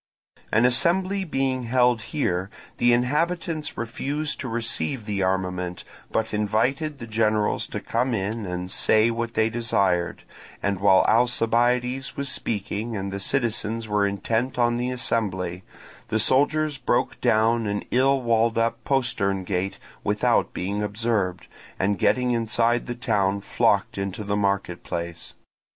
An assembly being held here, the inhabitants refused to receive the armament, but invited the generals to come in and say what they desired; and while Alcibiades was speaking and the citizens were intent on the assembly, the soldiers broke down an ill walled up postern gate without being observed, and getting inside the town, flocked into the marketplace.